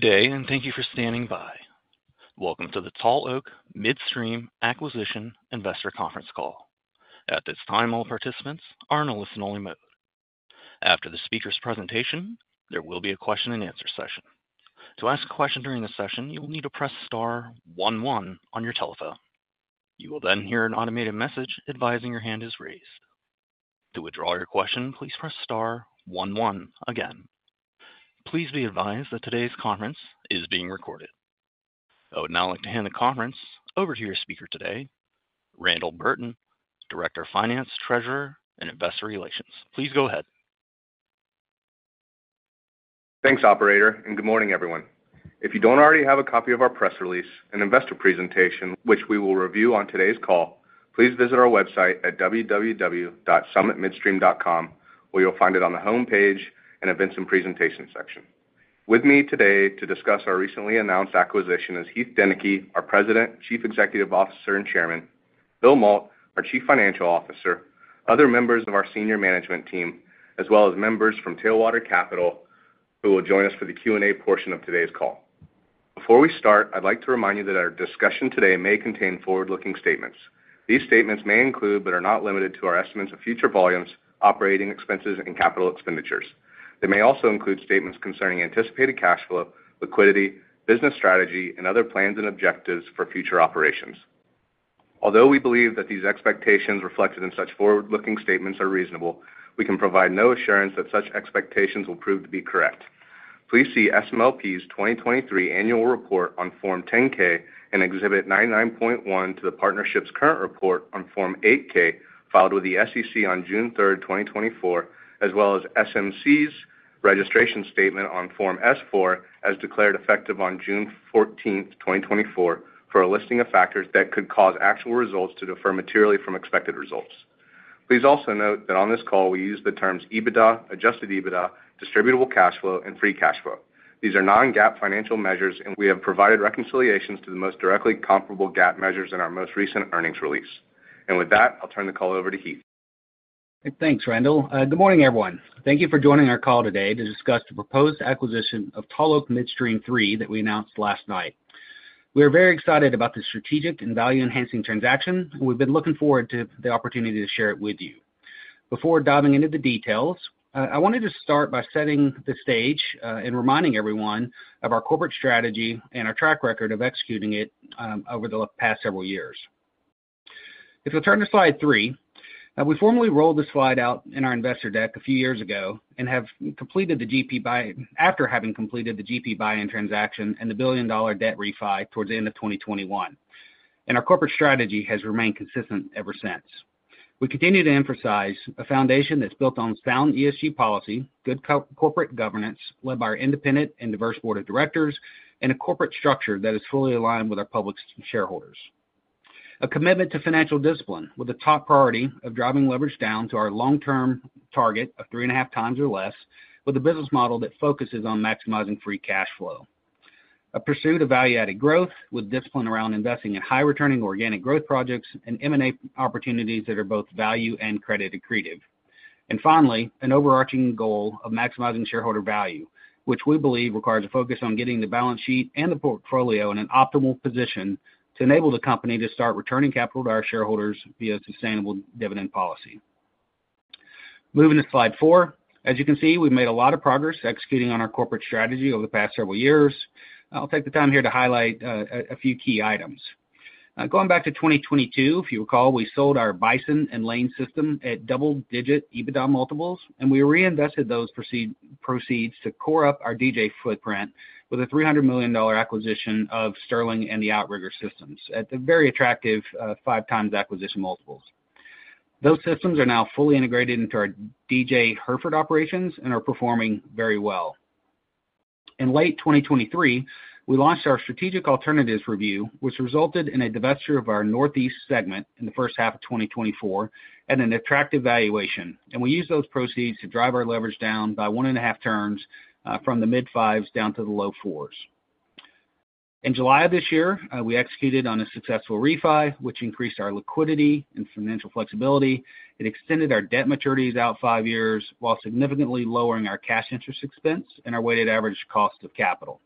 Good day, and thank you for standing by. Welcome to the Tall Oak Midstream Acquisition Investor Conference Call. At this time, all participants are in a listen-only mode. After the speaker's presentation, there will be a question-and-answer session. To ask a question during the session, you will need to press star one one on your telephone. You will then hear an automated message advising your hand is raised. To withdraw your question, please press star one one again. Please be advised that today's conference is being recorded. I would now like to hand the conference over to your speaker today, Randall Burton, Director of Finance, Treasurer, and Investor Relations. Please go ahead. Thanks, operator, and good morning, everyone. If you don't already have a copy of our press release and investor presentation, which we will review on today's call, please visit our website at www.summitmidstream.com, where you'll find it on the homepage in Events and Presentation section. With me today to discuss our recently announced acquisition is Heath Deneke, our President, Chief Executive Officer, and Chairman, Bill Mault, our Chief Financial Officer, other members of our senior management team, as well as members from Tailwater Capital, who will join us for the Q&A portion of today's call. Before we start, I'd like to remind you that our discussion today may contain forward-looking statements. These statements may include, but are not limited to, our estimates of future volumes, operating expenses, and capital expenditures. They may also include statements concerning anticipated cash flow, liquidity, business strategy, and other plans and objectives for future operations. Although we believe that these expectations reflected in such forward-looking statements are reasonable, we can provide no assurance that such expectations will prove to be correct. Please see SMLP's 2023 Annual Report on Form 10-K and Exhibit 99.1 to the partnership's current report on Form 8-K, filed with the SEC on June 3rd, 2024, as well as SMC's registration statement on Form S-4, as declared effective on June 14th, 2024, for a listing of factors that could cause actual results to differ materially from expected results. Please also note that on this call, we use the terms EBITDA, adjusted EBITDA, distributable cash flow, and free cash flow. These are non-GAAP financial measures, and we have provided reconciliations to the most directly comparable GAAP measures in our most recent earnings release. And with that, I'll turn the call over to Heath. Thanks, Randall. Good morning, everyone. Thank you for joining our call today to discuss the proposed acquisition of Tall Oak Midstream III that we announced last night. We are very excited about this strategic and value-enhancing transaction. We've been looking forward to the opportunity to share it with you. Before diving into the details, I wanted to start by setting the stage, and reminding everyone of our corporate strategy and our track record of executing it over the past several years. If we turn to slide three, we formally rolled this slide out in our investor deck a few years ago and after having completed the GP buy-in transaction and the $1 billion debt refi towards the end of 2021, and our corporate strategy has remained consistent ever since. We continue to emphasize a foundation that's built on sound ESG policy, good corporate governance, led by our independent and diverse board of directors, and a corporate structure that is fully aligned with our public shareholders. A commitment to financial discipline, with a top priority of driving leverage down to our long-term target of three and a half times or less, with a business model that focuses on maximizing free cash flow. A pursuit of value-added growth, with discipline around investing in high-returning organic growth projects and M&A opportunities that are both value and credit accretive. And finally, an overarching goal of maximizing shareholder value, which we believe requires a focus on getting the balance sheet and the portfolio in an optimal position to enable the company to start returning capital to our shareholders via sustainable dividend policy. Moving to slide four. As you can see, we've made a lot of progress executing on our corporate strategy over the past several years. I'll take the time here to highlight a few key items. Going back to 2022, if you recall, we sold our Bison and Lane systems at double-digit EBITDA multiples, and we reinvested those proceeds to core up our DJ footprint with a $300 million acquisition of Sterling and the Outrigger systems at a very attractive five times acquisition multiples. Those systems are now fully integrated into our DJ Hereford operations and are performing very well. In late 2023, we launched our strategic alternatives review, which resulted in a divestiture of our Northeast segment in the first half of 2024 at an attractive valuation, and we used those proceeds to drive our leverage down by one and a half turns from the mid-fives down to the low fours. In July of this year, we executed on a successful refi, which increased our liquidity and financial flexibility. It extended our debt maturities out five years while significantly lowering our cash interest expense and our weighted average cost of capital.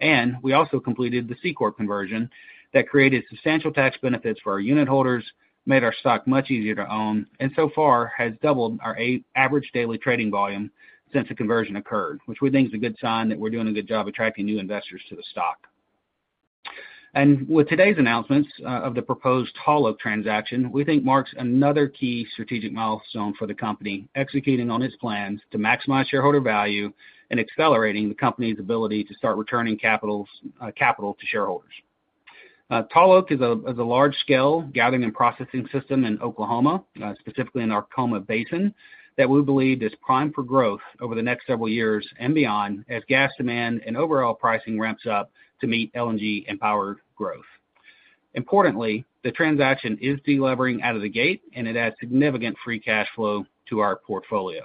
And we also completed the C-Corp conversion that created substantial tax benefits for our unit holders, made our stock much easier to own, and so far, has doubled our average daily trading volume since the conversion occurred, which we think is a good sign that we're doing a good job attracting new investors to the stock. And with today's announcements of the proposed Tall Oak transaction, we think marks another key strategic milestone for the company, executing on its plans to maximize shareholder value and accelerating the company's ability to start returning capital to shareholders. Tall Oak is a large-scale gathering and processing system in Oklahoma, specifically in our Arkoma Basin, that we believe is prime for growth over the next several years and beyond, as gas demand and overall pricing ramps up to meet LNG and power growth. Importantly, the transaction is delevering out of the gate, and it adds significant free cash flow to our portfolio,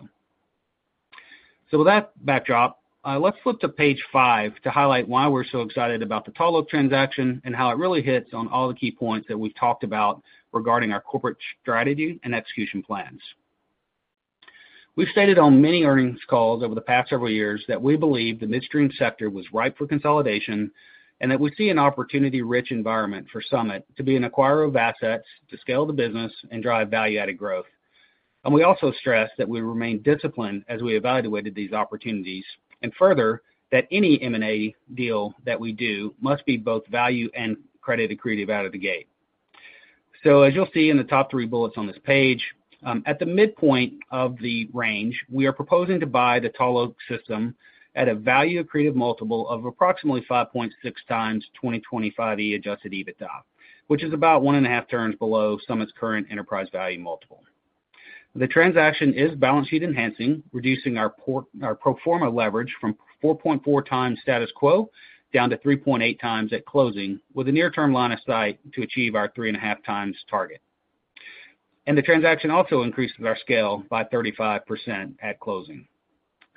so with that backdrop, let's flip to page five to highlight why we're so excited about the Tall Oak transaction and how it really hits on all the key points that we've talked about regarding our corporate strategy and execution plans... We've stated on many earnings calls over the past several years that we believe the midstream sector was ripe for consolidation, and that we see an opportunity-rich environment for Summit to be an acquirer of assets, to scale the business, and drive value-added growth, and we also stress that we remain disciplined as we evaluated these opportunities, and further, that any M&A deal that we do must be both value and credit accretive out of the gate. So as you'll see in the top three bullets on this page, at the midpoint of the range, we are proposing to buy the Tall Oak system at a value accretive multiple of approximately 5.6x 2025 adjusted EBITDA, which is about one and a half turns below Summit's current enterprise value multiple. The transaction is balance sheet enhancing, reducing our pro forma leverage from 4.4x status quo down to 3.8x at closing, with a near-term line of sight to achieve our three and a half times target. The transaction also increases our scale by 35% at closing,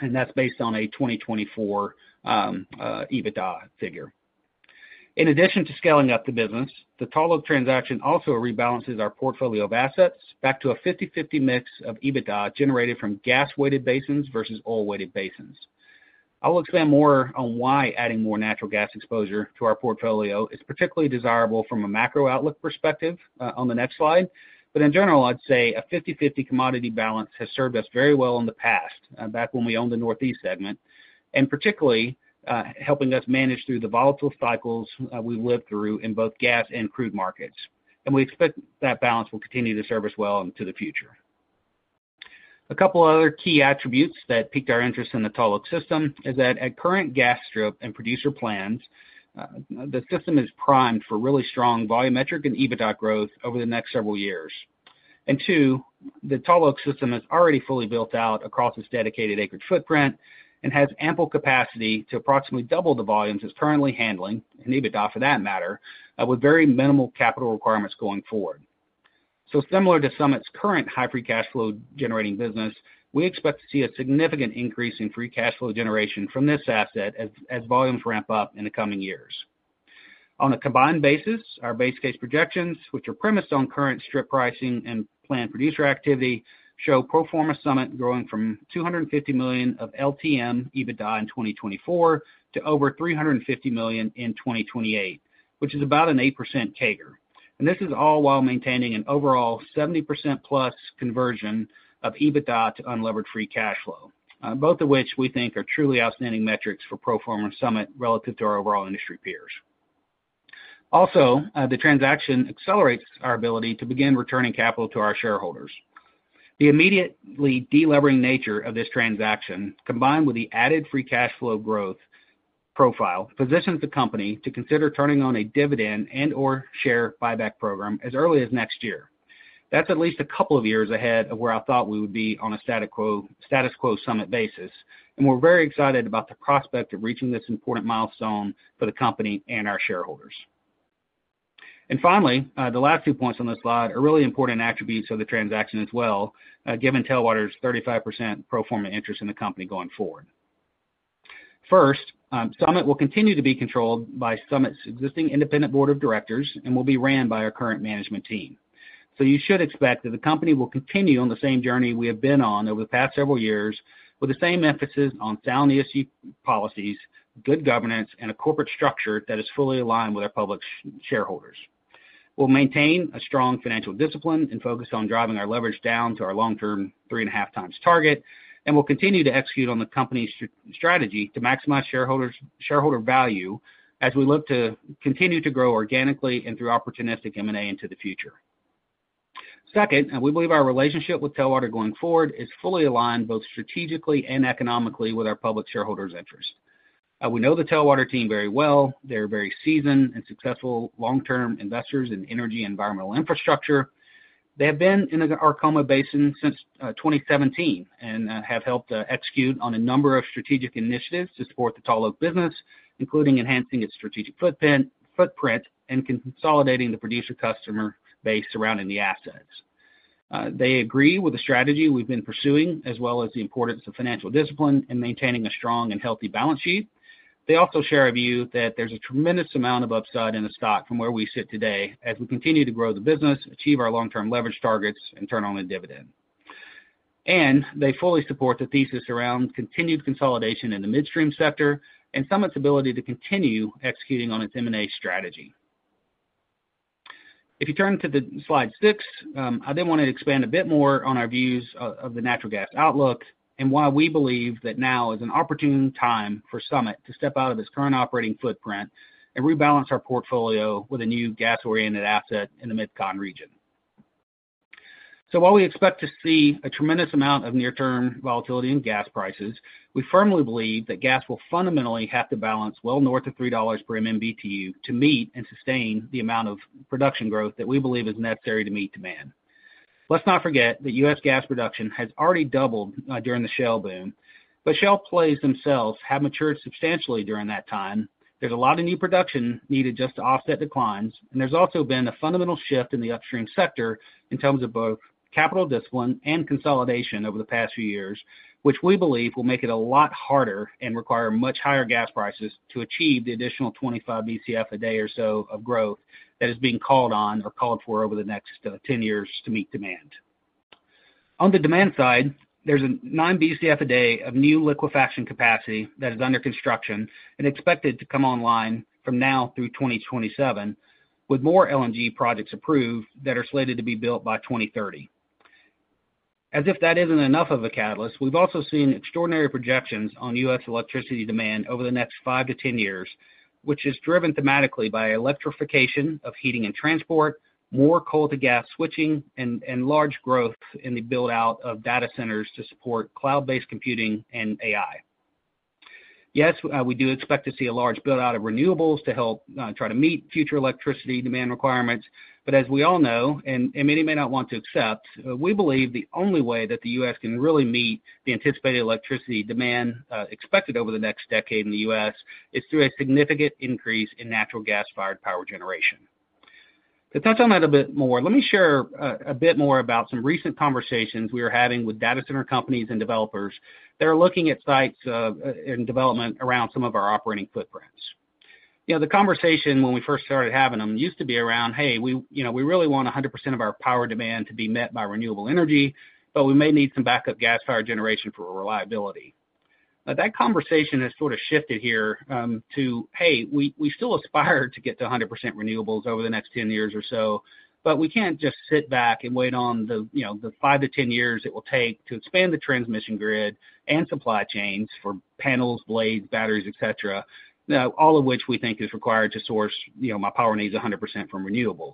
and that's based on a 2024 EBITDA figure. In addition to scaling up the business, the Tall Oak transaction also rebalances our portfolio of assets back to a 50/50 mix of EBITDA generated from gas-weighted basins versus oil-weighted basins. I will expand more on why adding more natural gas exposure to our portfolio is particularly desirable from a macro outlook perspective, on the next slide. But in general, I'd say a 50/50 commodity balance has served us very well in the past, back when we owned the Northeast segment, and particularly, helping us manage through the volatile cycles, we lived through in both gas and crude markets. And we expect that balance will continue to serve us well into the future. A couple other key attributes that piqued our interest in the Tall Oak system is that at current gas strip and producer plans, the system is primed for really strong volumetric and EBITDA growth over the next several years. And two, the Tall Oak system is already fully built out across this dedicated acreage footprint and has ample capacity to approximately double the volumes it's currently handling, and EBITDA, for that matter, with very minimal capital requirements going forward. So similar to Summit's current high free cash flow generating business, we expect to see a significant increase in free cash flow generation from this asset as volumes ramp up in the coming years. On a combined basis, our base case projections, which are premised on current strip pricing and planned producer activity, show pro forma Summit growing from $250 million of LTM EBITDA in 2024 to over $350 million in 2028, which is about an 8% CAGR. This is all while maintaining an overall 70%+ conversion of EBITDA to unlevered free cash flow, both of which we think are truly outstanding metrics for pro forma Summit relative to our overall industry peers. Also, the transaction accelerates our ability to begin returning capital to our shareholders. The immediately delevering nature of this transaction, combined with the added free cash flow growth profile, positions the company to consider turning on a dividend and/or share buyback program as early as next year. That's at least a couple of years ahead of where I thought we would be on a status quo Summit basis, and we're very excited about the prospect of reaching this important milestone for the company and our shareholders. Finally, the last two points on this slide are really important attributes of the transaction as well, given Tailwater's 35% pro forma interest in the company going forward. First, Summit will continue to be controlled by Summit's existing independent board of directors and will be run by our current management team. So you should expect that the company will continue on the same journey we have been on over the past several years, with the same emphasis on sound ESG policies, good governance, and a corporate structure that is fully aligned with our public shareholders. We'll maintain a strong financial discipline and focus on driving our leverage down to our long-term three and a half times target, and we'll continue to execute on the company's strategy to maximize shareholder value as we look to continue to grow organically and through opportunistic M&A into the future. Second, we believe our relationship with Tailwater going forward is fully aligned, both strategically and economically, with our public shareholders' interest. We know the Tailwater team very well. They're very seasoned and successful long-term investors in energy environmental infrastructure. They have been in the Arkoma Basin since 2017, and have helped execute on a number of strategic initiatives to support the Tall Oak business, including enhancing its strategic footprint and consolidating the producer customer base surrounding the assets. They agree with the strategy we've been pursuing, as well as the importance of financial discipline and maintaining a strong and healthy balance sheet. They also share a view that there's a tremendous amount of upside in the stock from where we sit today as we continue to grow the business, achieve our long-term leverage targets, and turn on the dividend. And they fully support the thesis around continued consolidation in the midstream sector and Summit's ability to continue executing on its M&A strategy. If you turn to the slide six, I then want to expand a bit more on our views of the natural gas outlook and why we believe that now is an opportune time for Summit to step out of its current operating footprint and rebalance our portfolio with a new gas-oriented asset in the MidCon region. So while we expect to see a tremendous amount of near-term volatility in gas prices, we firmly believe that gas will fundamentally have to balance well north of $3 per MMBtu to meet and sustain the amount of production growth that we believe is necessary to meet demand. Let's not forget that U.S. gas production has already doubled during the shale boom, but shale plays themselves have matured substantially during that time. There's a lot of new production needed just to offset declines, and there's also been a fundamental shift in the upstream sector in terms of both capital discipline and consolidation over the past few years... which we believe will make it a lot harder and require much higher gas prices to achieve the additional twenty-five Bcf a day or so of growth that is being called on or called for over the next ten years to meet demand. On the demand side, there's a nine Bcf a day of new liquefaction capacity that is under construction and expected to come online from now through twenty twenty-seven, with more LNG projects approved that are slated to be built by twenty thirty. As if that isn't enough of a catalyst, we've also seen extraordinary projections on U.S. electricity demand over the next five to ten years, which is driven thematically by electrification of heating and transport, more coal-to-gas switching, and large growth in the build-out of data centers to support cloud-based computing and AI. Yes, we do expect to see a large build-out of renewables to help try to meet future electricity demand requirements. But as we all know, and many may not want to accept, we believe the only way that the U.S. can really meet the anticipated electricity demand expected over the next decade in the U.S. is through a significant increase in natural gas-fired power generation. To touch on that a bit more, let me share a bit more about some recent conversations we are having with data center companies and developers that are looking at sites in development around some of our operating footprints. You know, the conversation, when we first started having them, used to be around, "Hey, we, you know, we really want 100% of our power demand to be met by renewable energy, but we may need some backup gas-fired generation for reliability." But that conversation has sort of shifted here to, "Hey, we, we still aspire to get to 100% renewables over the next 10 years or so, but we can't just sit back and wait on the, you know, the five to 10 years it will take to expand the transmission grid and supply chains for panels, blades, batteries, et cetera. Now, all of which we think is required to source, you know, my power needs 100% from renewables.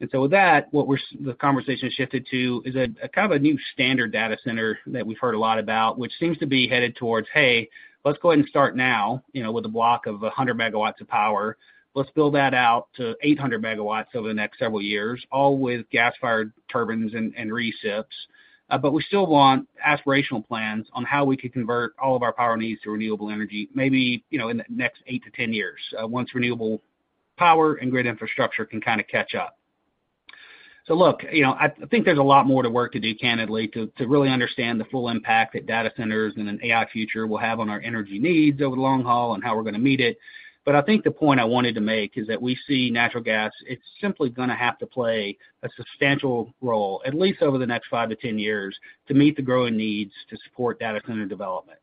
And so with that, the conversation has shifted to is a kind of a new standard data center that we've heard a lot about, which seems to be headed towards, "Hey, let's go ahead and start now, you know, with a block of a hundred megawatts of power. Let's build that out to eight hundred megawatts over the next several years, all with gas-fired turbines and recips. But we still want aspirational plans on how we could convert all of our power needs to renewable energy, maybe, you know, in the next eight to ten years, once renewable power and grid infrastructure can kind of catch up." So look, you know, I think there's a lot more work to do, candidly, to really understand the full impact that data centers and an AI future will have on our energy needs over the long haul and how we're going to meet it. But I think the point I wanted to make is that we see natural gas; it's simply going to have to play a substantial role, at least over the next five to ten years, to meet the growing needs to support data center development.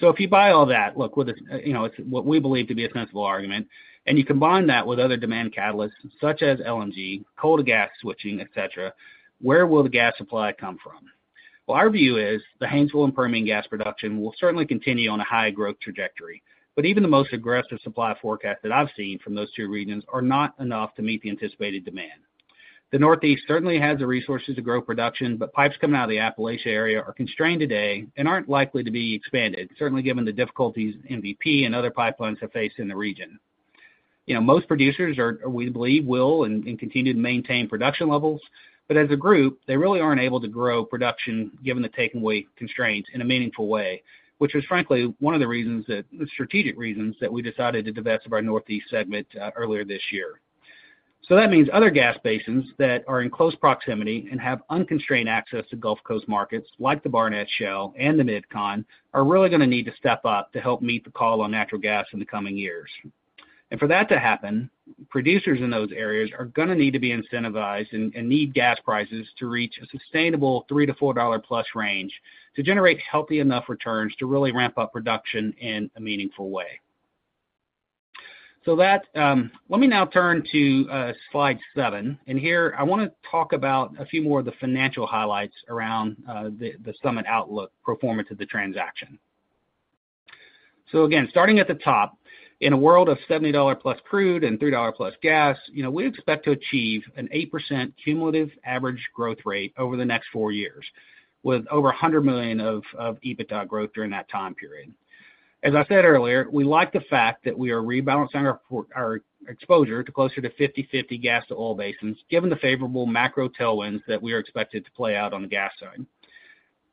So if you buy all that, look, you know, it's what we believe to be a sensible argument, and you combine that with other demand catalysts, such as LNG, coal to gas switching, et cetera, where will the gas supply come from? Well, our view is the Haynesville and Permian gas production will certainly continue on a high growth trajectory, but even the most aggressive supply forecast that I've seen from those two regions are not enough to meet the anticipated demand. The Northeast certainly has the resources to grow production, but pipes coming out of the Appalachia area are constrained today and aren't likely to be expanded, certainly given the difficulties MVP and other pipelines have faced in the region. You know, most producers, we believe, will continue to maintain production levels, but as a group, they really aren't able to grow production given the takeaway constraints in a meaningful way, which was frankly one of the reasons, the strategic reasons, that we decided to divest of our Northeast segment earlier this year, so that means other gas basins that are in close proximity and have unconstrained access to Gulf Coast markets, like the Barnett Shale and the MidCon, are really going to need to step up to help meet the call on natural gas in the coming years, and for that to happen, producers in those areas are going to need to be incentivized and need gas prices to reach a sustainable $3-$4+ range to generate healthy enough returns to really ramp up production in a meaningful way. Let me now turn to slide 7. Here, I want to talk about a few more of the financial highlights around the Summit outlook pro forma to the transaction. Again, starting at the top, in a world of $70+ crude and $3+ gas, you know, we expect to achieve an 8% cumulative average growth rate over the next four years, with over $100 million of EBITDA growth during that time period. As I said earlier, we like the fact that we are rebalancing our exposure to closer to 50/50 gas to oil basins, given the favorable macro tailwinds that we are expected to play out on the gas side.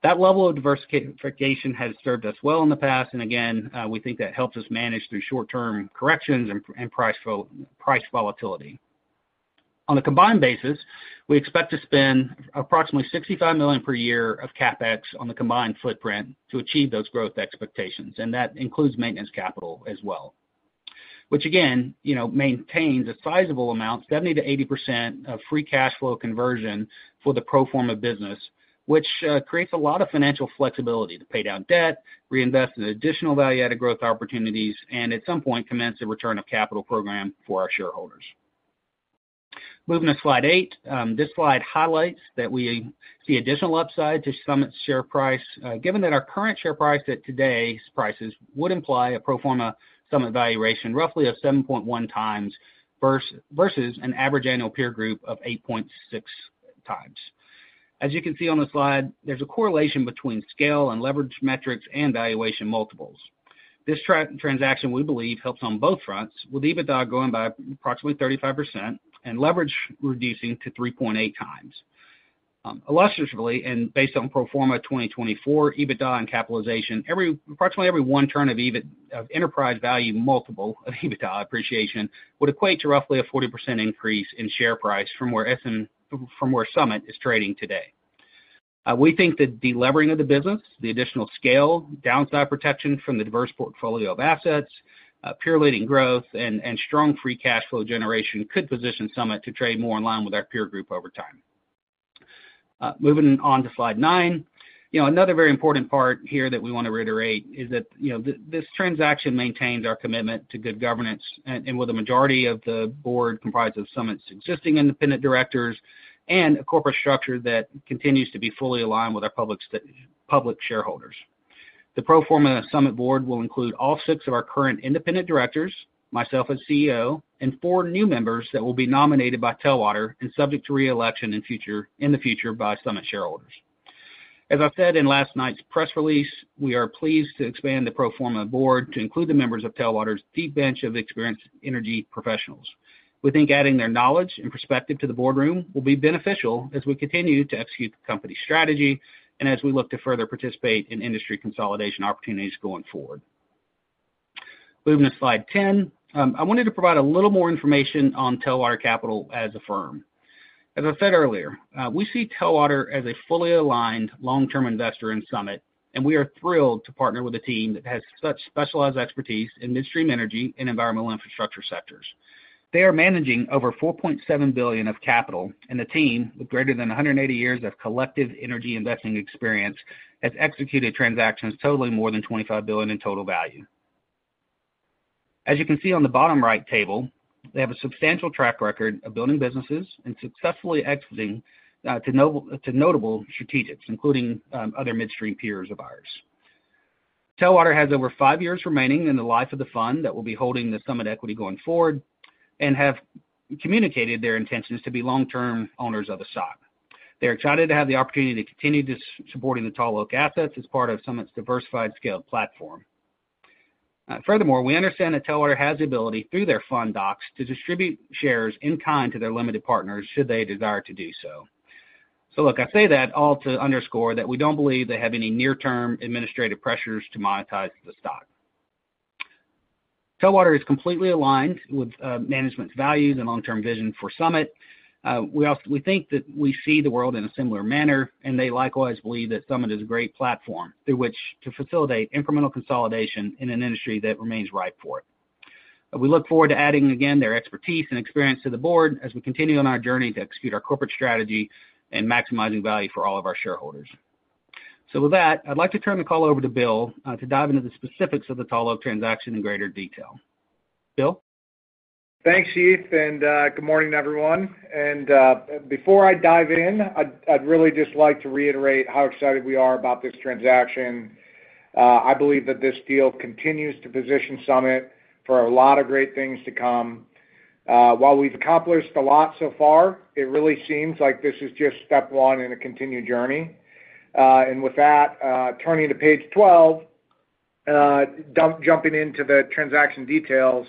That level of diversification has served us well in the past, and again, we think that helps us manage through short-term corrections and price volatility. On a combined basis, we expect to spend approximately $65 million per year of CapEx on the combined footprint to achieve those growth expectations, and that includes maintenance capital as well, which again, you know, maintains a sizable amount, 70%-80% of free cash flow conversion for the pro forma business, which creates a lot of financial flexibility to pay down debt, reinvest in additional value-added growth opportunities, and at some point, commence a return of capital program for our shareholders. Moving to slide 8. This slide highlights that we see additional upside to Summit's share price, given that our current share price at today's prices would imply a pro forma Summit valuation, roughly of 7.1x, versus an average annual peer group of 8.6x. As you can see on the slide, there's a correlation between scale and leverage metrics and valuation multiples. This transaction, we believe, helps on both fronts, with EBITDA going by approximately 35% and leverage reducing to 3.8x. Illustratively, and based on pro forma 2024 EBITDA and capitalization, approximately every one turn of enterprise value multiple of EBITDA appreciation, would equate to roughly a 40% increase in share price from where Summit is trading today. We think that the levering of the business, the additional scale, downside protection from the diverse portfolio of assets, peer-leading growth, and strong free cash flow generation could position Summit to trade more in line with our peer group over time. Moving on to slide nine. You know, another very important part here that we want to reiterate is that, you know, this transaction maintains our commitment to good governance and with the majority of the board comprised of Summit's existing independent directors and a corporate structure that continues to be fully aligned with our public shareholders. The pro forma Summit board will include all six of our current independent directors, myself as CEO, and four new members that will be nominated by Tailwater and subject to re-election in the future by Summit shareholders. As I said in last night's press release, we are pleased to expand the pro forma board to include the members of Tailwater's deep bench of experienced energy professionals. We think adding their knowledge and perspective to the boardroom will be beneficial as we continue to execute the company's strategy and as we look to further participate in industry consolidation opportunities going forward. Moving to slide 10. I wanted to provide a little more information on Tailwater Capital as a firm. As I said earlier, we see Tailwater as a fully aligned long-term investor in Summit, and we are thrilled to partner with a team that has such specialized expertise in midstream energy and environmental infrastructure sectors. They are managing over $4.7 billion of capital, and the team, with greater than 180 years of collective energy investing experience, has executed transactions totaling more than $25 billion in total value. As you can see on the bottom right table, they have a substantial track record of building businesses and successfully exiting to notable strategics, including other midstream peers of ours. Tailwater has over five years remaining in the life of the fund that will be holding the Summit equity going forward and have communicated their intentions to be long-term owners of the stock. They are excited to have the opportunity to continue supporting the Tall Oak assets as part of Summit's diversified scaled platform. Furthermore, we understand that Tailwater has the ability, through their fund docs, to distribute shares in kind to their limited partners, should they desire to do so. So look, I say that all to underscore that we don't believe they have any near-term administrative pressures to monetize the stock. Tailwater is completely aligned with management's values and long-term vision for Summit. We also think that we see the world in a similar manner, and they likewise believe that Summit is a great platform through which to facilitate incremental consolidation in an industry that remains ripe for it. We look forward to adding, again, their expertise and experience to the board as we continue on our journey to execute our corporate strategy and maximizing value for all of our shareholders. So with that, I'd like to turn the call over to Bill, to dive into the specifics of the Tall Oak transaction in greater detail. Bill? Thanks, Heath, and good morning, everyone. And before I dive in, I'd really just like to reiterate how excited we are about this transaction. I believe that this deal continues to position Summit for a lot of great things to come. While we've accomplished a lot so far, it really seems like this is just step one in a continued journey. And with that, turning to page 12, jumping into the transaction details.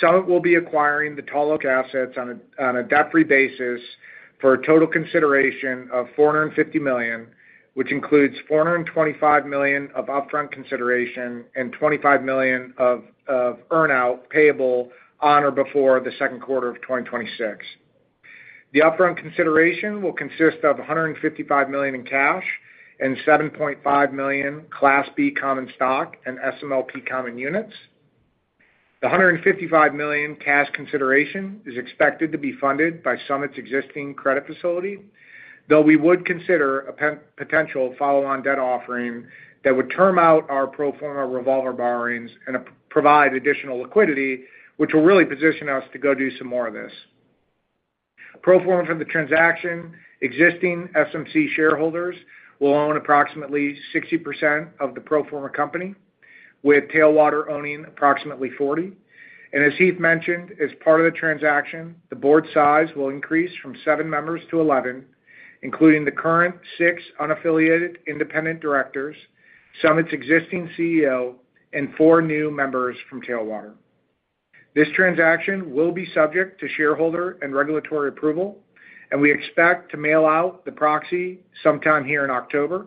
Summit will be acquiring the Tall Oak assets on a debt-free basis for a total consideration of $450 million, which includes $425 million of upfront consideration and $25 million of earn-out payable on or before the second quarter of 2026. The upfront consideration will consist of $155 million in cash and 7.5 million Class B common stock and SMLP common units. The $155 million cash consideration is expected to be funded by Summit's existing credit facility, though we would consider a potential follow-on debt offering that would term out our pro forma revolver borrowings and provide additional liquidity, which will really position us to go do some more of this. Pro forma from the transaction, existing SMC shareholders will own approximately 60% of the pro forma company, with Tailwater owning approximately 40%. As Heath mentioned, as part of the transaction, the board size will increase from seven members to 11, including the current six unaffiliated independent directors, Summit's existing CEO, and four new members from Tailwater. This transaction will be subject to shareholder and regulatory approval, and we expect to mail out the proxy sometime here in October.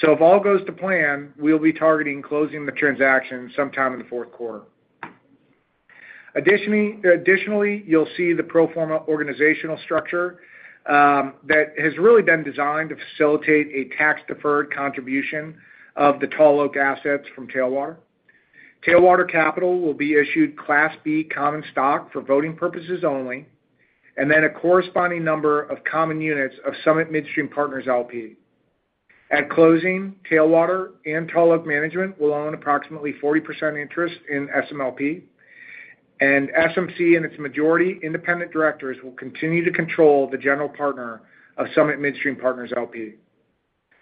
So if all goes to plan, we'll be targeting closing the transaction sometime in the fourth quarter. Additionally, you'll see the pro forma organizational structure that has really been designed to facilitate a tax-deferred contribution of the Tall Oak assets from Tailwater. Tailwater Capital will be issued Class B common stock for voting purposes only, and then a corresponding number of common units of Summit Midstream Partners LP. At closing, Tailwater and Tall Oak Management will own approximately 40% interest in SMLP, and SMC and its majority independent directors will continue to control the general partner of Summit Midstream Partners LP.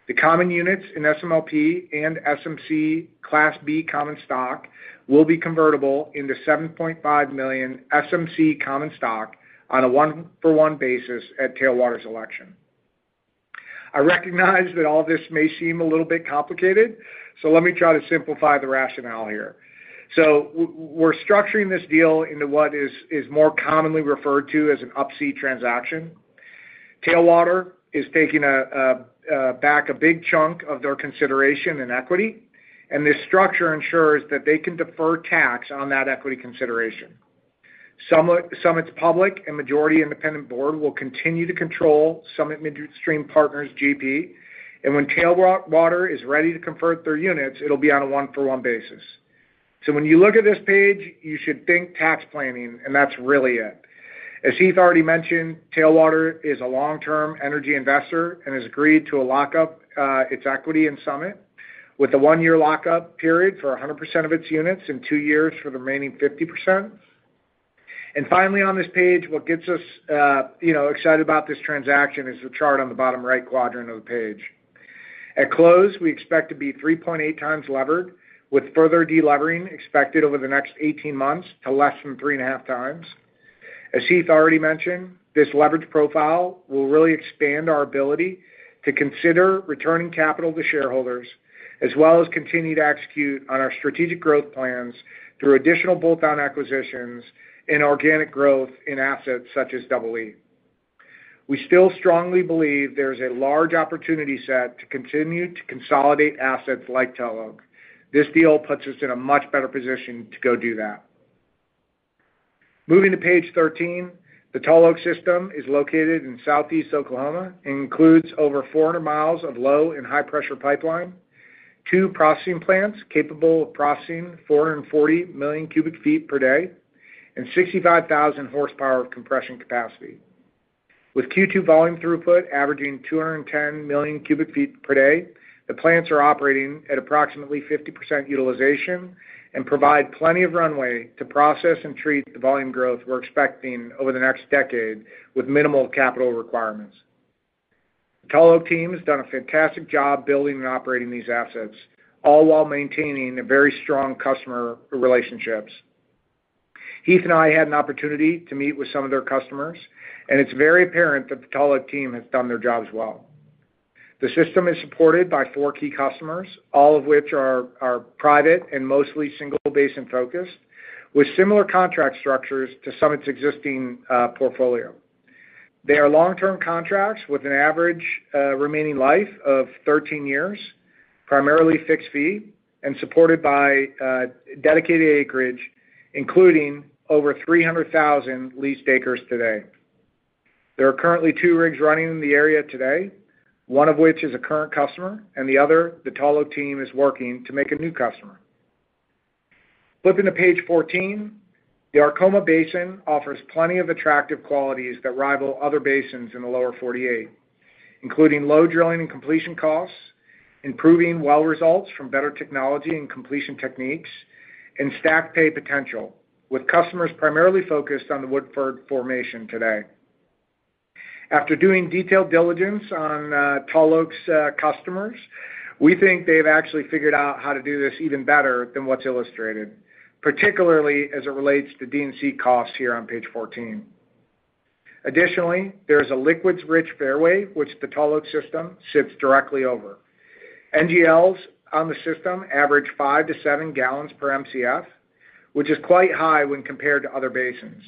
The common units in SMLP and SMC Class B common stock will be convertible into 7.5 million SMC common stock on a one-for-one basis at Tailwater's election. I recognize that all this may seem a little bit complicated, so let me try to simplify the rationale here. So we're structuring this deal into what is more commonly referred to as an Up-C transaction. Tailwater is taking back a big chunk of their consideration and equity, and this structure ensures that they can defer tax on that equity consideration. Summit's public and majority independent board will continue to control Summit Midstream Partners GP, and when Tailwater is ready to convert their units, it'll be on a one-for-one basis. So when you look at this page, you should think tax planning, and that's really it. As Heath already mentioned, Tailwater is a long-term energy investor and has agreed to a lockup, its equity in Summit, with a 1-year lockup period for 100% of its units and 2 years for the remaining 50%. Finally, on this page, what gets us, you know, excited about this transaction is the chart on the bottom right quadrant of the page. At close, we expect to be 3.8 times levered, with further delevering expected over the next 18 months to less than 3.5 times. As Heath already mentioned, this leverage profile will really expand our ability to consider returning capital to shareholders, as well as continue to execute on our strategic growth plans through additional bolt-on acquisitions and organic growth in assets such as Double E. We still strongly believe there's a large opportunity set to continue to consolidate assets like Tall Oak. This deal puts us in a much better position to go do that. Moving to page 13, the Tall Oak system is located in Southeast Oklahoma and includes over 400 mi of low- and high-pressure pipeline, two processing plants capable of processing 440 million cubic feet per day, and 65,000 horsepower of compression capacity. With Q2 volume throughput averaging 210 million cubic feet per day, the plants are operating at approximately 50% utilization and provide plenty of runway to process and treat the volume growth we're expecting over the next decade, with minimal capital requirements. The Tall Oak team has done a fantastic job building and operating these assets, all while maintaining a very strong customer relationships. Heath and I had an opportunity to meet with some of their customers, and it's very apparent that the Tall Oak team has done their jobs well. The system is supported by four key customers, all of which are private and mostly single basin focused, with similar contract structures to Summit's existing portfolio. They are long-term contracts with an average remaining life of thirteen years, primarily fixed fee and supported by dedicated acreage, including over three hundred thousand leased acres today. There are currently two rigs running in the area today, one of which is a current customer, and the other, the Tall Oak team, is working to make a new customer. Flipping to page fourteen, the Arkoma Basin offers plenty of attractive qualities that rival other basins in the Lower 48, including low drilling and completion costs, improving well results from better technology and completion techniques, and stack pay potential, with customers primarily focused on the Woodford Formation today. After doing detailed diligence on Tall Oak's customers, we think they've actually figured out how to do this even better than what's illustrated, particularly as it relates to D&C costs here on page fourteen. Additionally, there is a liquids-rich fairway, which the Tall Oak system sits directly over. NGLs on the system average five to seven gallons per Mcf, which is quite high when compared to other basins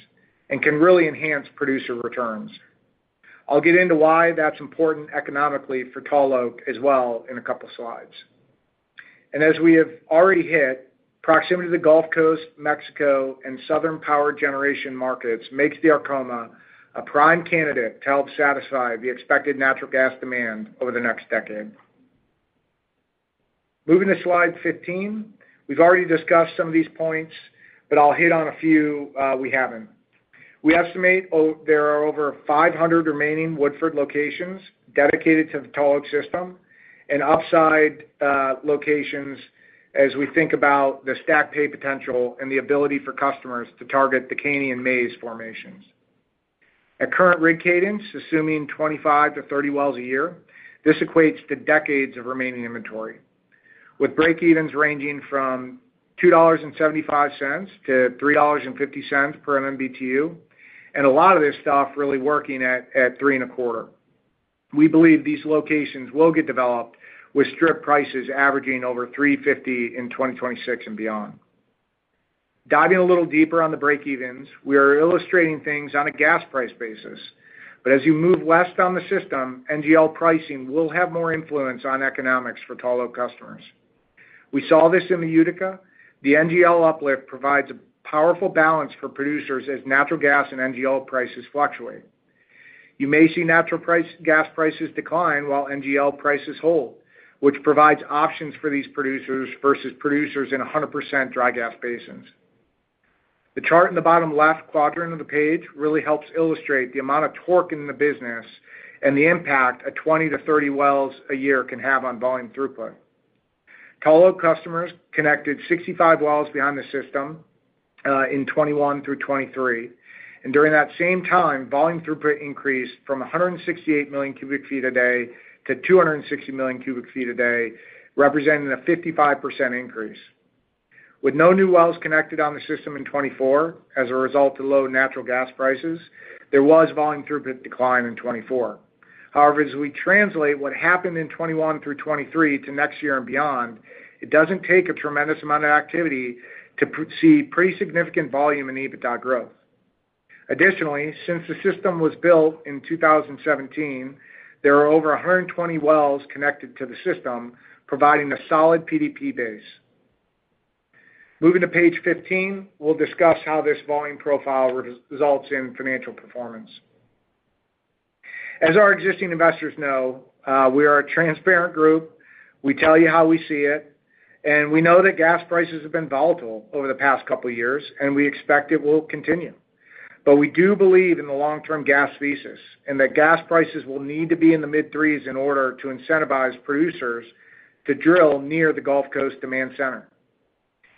and can really enhance producer returns. I'll get into why that's important economically for Tall Oak as well in a couple of slides. As we have already hit, proximity to the Gulf Coast, Mexico, and southern power generation markets makes the Arkoma a prime candidate to help satisfy the expected natural gas demand over the next decade. Moving to slide fifteen. We've already discussed some of these points, but I'll hit on a few we haven't. We estimate there are over 500 remaining Woodford locations dedicated to the Tall Oak system and upside locations as we think about the stack pay potential and the ability for customers to target the Caney and Mayes formations. At current rig cadence, assuming 25-30 wells a year, this equates to decades of remaining inventory, with breakevens ranging from $2.75-$3.50 per MMBtu, and a lot of this stuff really working at $3.25. We believe these locations will get developed, with strip prices averaging over $3.50 in 2026 and beyond. Diving a little deeper on the breakevens, we are illustrating things on a gas price basis, but as you move west on the system, NGL pricing will have more influence on economics for Tall Oak customers. We saw this in the Utica. The NGL uplift provides a powerful balance for producers as natural gas and NGL prices fluctuate. You may see natural gas prices decline while NGL prices hold, which provides options for these producers versus producers in 100% dry gas basins. The chart in the bottom left quadrant of the page really helps illustrate the amount of torque in the business and the impact 20-30 wells a year can have on volume throughput. Tall Oak customers connected 65 wells behind the system in 2021 through 2023, and during that same time, volume throughput increased from 168 million cubic feet a day to 260 million cubic feet a day, representing a 55% increase. With no new wells connected on the system in 2024, as a result of low natural gas prices, there was volume throughput decline in 2024. However, as we translate what happened in 2021 through 2023 to next year and beyond, it doesn't take a tremendous amount of activity to see pretty significant volume in EBITDA growth. Additionally, since the system was built in 2017, there are over 120 wells connected to the system, providing a solid PDP base. Moving to page 15, we'll discuss how this volume profile results in financial performance. As our existing investors know, we are a transparent group. We tell you how we see it, and we know that gas prices have been volatile over the past couple of years, and we expect it will continue. But we do believe in the long-term gas thesis, and that gas prices will need to be in the mid-threes in order to incentivize producers to drill near the Gulf Coast demand center.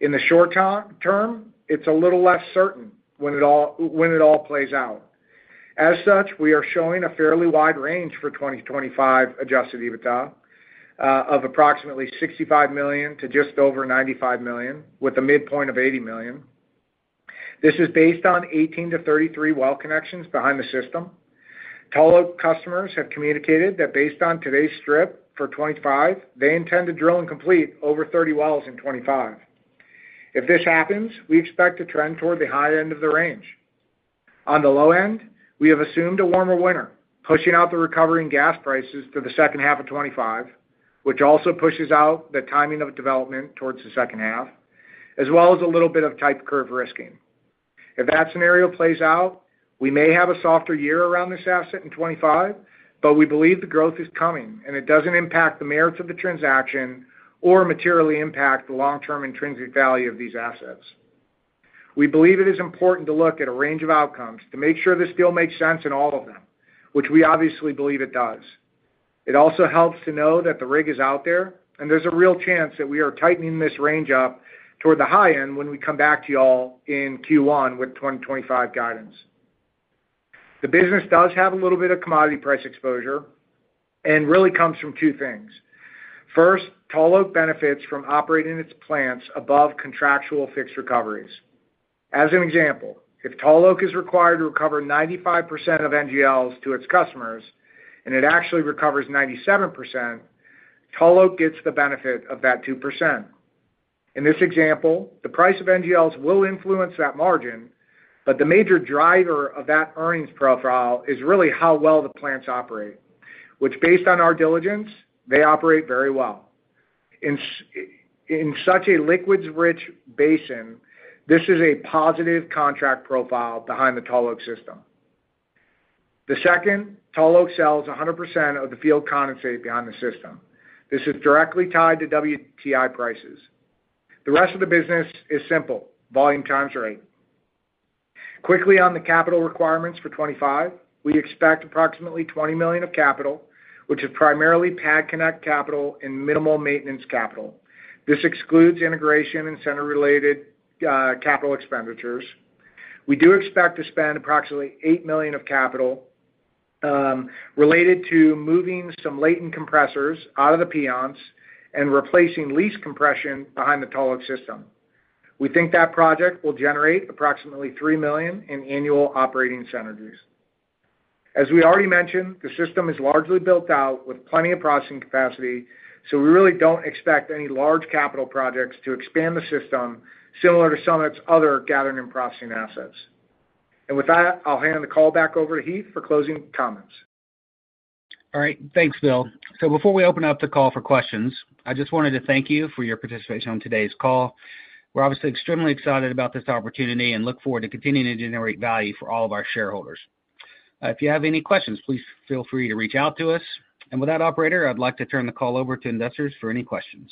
In the short term, it's a little less certain when it all plays out. As such, we are showing a fairly wide range for 2025 Adjusted EBITDA of approximately $65 million to just over $95 million, with a midpoint of $80 million. This is based on 18-33 well connections behind the system. Tall Oak customers have communicated that based on today's strip for 2025, they intend to drill and complete over 30 wells in 2025. If this happens, we expect to trend toward the high end of the range. On the low end, we have assumed a warmer winter, pushing out the recovery in gas prices to the second half of 2025, which also pushes out the timing of development towards the second half, as well as a little bit of type curve risking. If that scenario plays out, we may have a softer year around this asset in 2025, but we believe the growth is coming, and it doesn't impact the merits of the transaction or materially impact the long-term intrinsic value of these assets. We believe it is important to look at a range of outcomes to make sure this deal makes sense in all of them, which we obviously believe it does. It also helps to know that the rig is out there, and there's a real chance that we are tightening this range up toward the high end when we come back to you all in Q1 with 2025 guidance. The business does have a little bit of commodity price exposure and really comes from two things. First, Tall Oak benefits from operating its plants above contractual fixed recoveries. As an example, if Tall Oak is required to recover 95% of NGLs to its customers, and it actually recovers 97%, Tall Oak gets the benefit of that 2%. In this example, the price of NGLs will influence that margin, but the major driver of that earnings profile is really how well the plants operate, which, based on our diligence, they operate very well. In such a liquids-rich basin, this is a positive contract profile behind the Tall Oak system. Second, Tall Oak sells 100% of the field condensate behind the system. This is directly tied to WTI prices. The rest of the business is simple: volume times rate. Quickly on the capital requirements for 2025, we expect approximately $20 million of capital, which is primarily pad connect capital and minimal maintenance capital. This excludes integration and synergy-related capital expenditures. We do expect to spend approximately $8 million of capital related to moving some legacy compressors out of the Permian and replacing lease compression behind the Tall Oak system. We think that project will generate approximately $3 million in annual operating synergies. As we already mentioned, the system is largely built out with plenty of processing capacity, so we really don't expect any large capital projects to expand the system, similar to Summit's other gathering and processing assets, and with that, I'll hand the call back over to Heath for closing comments. All right. Thanks, Bill. So before we open up the call for questions, I just wanted to thank you for your participation on today's call. We're obviously extremely excited about this opportunity and look forward to continuing to generate value for all of our shareholders. If you have any questions, please feel free to reach out to us. And with that, operator, I'd like to turn the call over to investors for any questions.